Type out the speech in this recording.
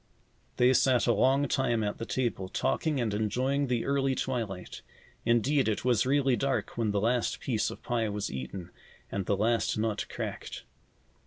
They sat a long time at the table, talking and enjoying the early twilight. Indeed, it was really dark when the last piece of pie was eaten and the last nut cracked.